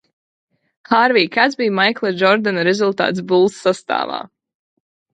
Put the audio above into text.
"Hārvij, kāds bija Maikla Džordana rezultāts "Bulls" sastāvā?"